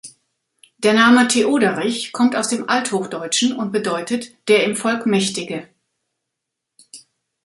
Der Name Theoderich kommt aus dem Althochdeutschen und bedeutet der im Volk Mächtige.